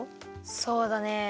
そうだね。